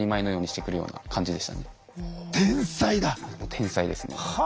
天才ですね。